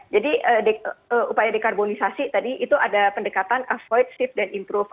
jadi upaya dekarbonisasi tadi itu ada pendekatan avoid shift dan improve